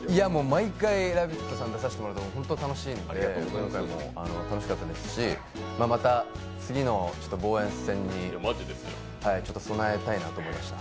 毎回「ラヴィット！」さん出させてもらうと本当、楽しいので今回も楽しかったですしまた次の防衛戦にちょっと備えたいと思いました。